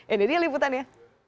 ini dia liputannya